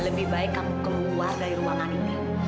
lebih baik kamu keluar dari ruangan ini